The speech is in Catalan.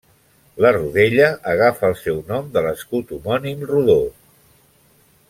La rodella agafa el seu nom de l'escut homònim rodó.